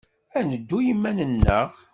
Ad neddu i yiman-nneɣ.